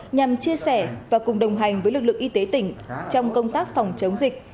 nhằm chia sẻ và cùng đồng hành với lực lượng y tế tỉnh trong công tác phòng chống dịch